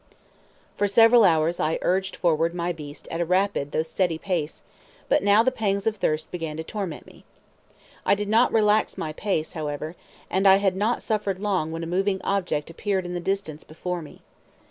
For several hours I urged forward my beast at a rapid though steady pace, but now the pangs of thirst began to torment me. I did not relax my pace, however, and I had not suffered long when a moving object appeared in the distance before me.